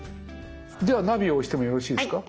ではナビを押してもよろしいですか？